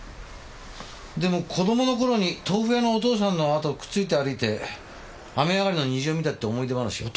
でも子どもの頃に豆腐屋のお父さんのあとをくっついて歩いて雨上がりの虹を見たって思い出話を。